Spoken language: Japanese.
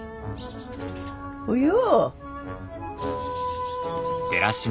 およ。